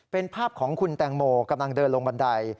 เป็นภาพของคุณแตงโมกำลังเดินลงบันได